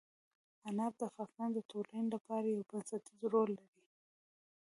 انار د افغانستان د ټولنې لپاره یو بنسټيز رول لري.